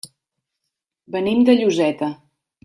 Venim de Lloseta.